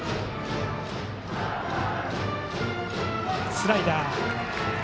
スライダー。